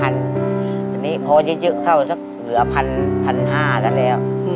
อันนี้พอเยอะเข้าสักเหลือ๑๕๐๐ซะแล้ว